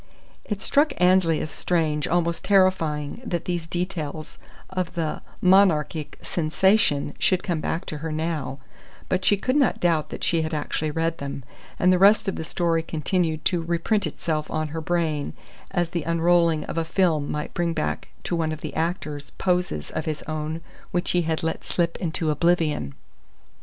It struck Annesley as strange, almost terrifying, that these details of the Monarchic "sensation" should come back to her now; but she could not doubt that she had actually read them, and the rest of the story continued to reprint itself on her brain, as the unrolling of a film might bring back to one of the actors poses of his own which he had let slip into oblivion.